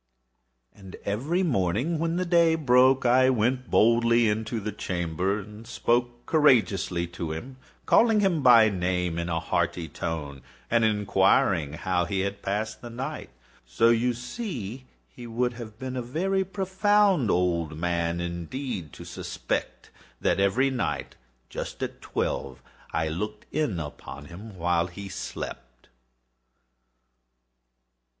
And every morning, when the day broke, I went boldly into the chamber, and spoke courageously to him, calling him by name in a hearty tone, and inquiring how he has passed the night. So you see he would have been a very profound old man, indeed, to suspect that every night, just at twelve, I looked in upon him while he slept.